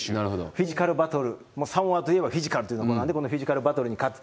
フィジカルバトル、サモアといえばフィジカルということなんで、このフィジカルバトルに勝つ。